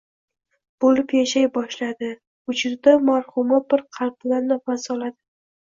bo`lib yashay boshlaydi, vujudida marhuma bir qalb bilan nafas oladi